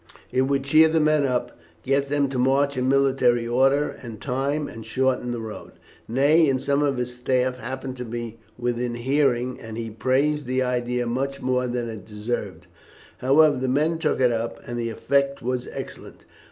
It would cheer the men up, get them to march in military order and time, and shorten the road. Ney and some of his staff happened to be within hearing, and he praised the idea much more than it deserved. However, the men took it up, and the effect was excellent.